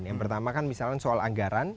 yang pertama kan misalnya soal anggaran